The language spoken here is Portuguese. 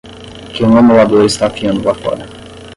que um amolador está afiando lá fora